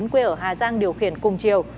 quy ở hà giang điều khiển cùng chiều